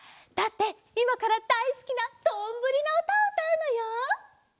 だっていまからだいすきなどんぶりのうたをうたうのよ！